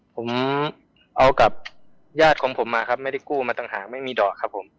ผมเอากับญาติของผมมาครับไม่ได้กู้มาต่างหากไม่มีดอกครับผม